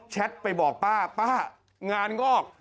แชทไปบอกป้าป้างานก็ออก